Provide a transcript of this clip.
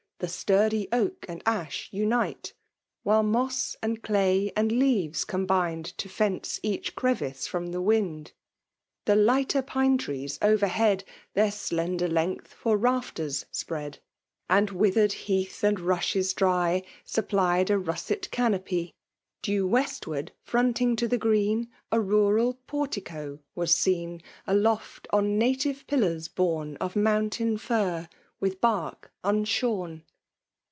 The sturdy oak and ash unite ; While moss and day and leaves combined To fence each crevice from the wind. The lighter pine trees, overhead, Their slender length for rafters spread. 182 FEMALE DOMINATieVr. And wiibet'd bsatk tad niafatt dry Supplied a russet canopy. Due westward, fronting to the green, A runi portico wn seen. Aloft on native pillars borne Of mountain fir with bark unshorn."